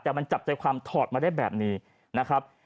แต่มันจับใจความถอดมาได้แบบนี้นะครับ